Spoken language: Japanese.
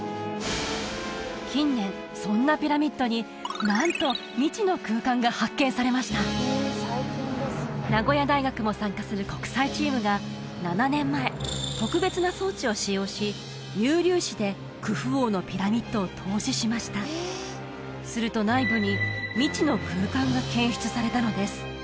近年そんなピラミッドになんと未知の空間が発見されました名古屋大学も参加する国際チームが７年前特別な装置を使用しミュー粒子でクフ王のピラミッドを透視しましたすると内部に未知の空間が検出されたのです